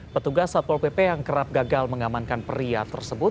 petugas satpol pp yang kerap gagal mengamankan pria tersebut